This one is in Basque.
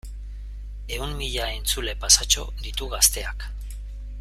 Ehun mila entzule pasatxo ditu Gazteak.